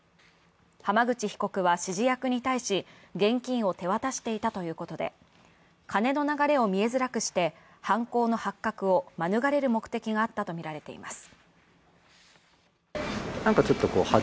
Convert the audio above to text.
浜口被告は指示役に対し、現金を手渡していたということで、金の流れを見えづらくして犯行の発覚を免れる目的があったとみられています。